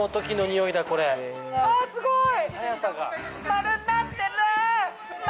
あ、すごい！